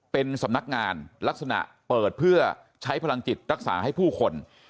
เป็นสำนักงานลักษณะเปิดเพื่อใช้พลังจิตรักษาให้ผู้คน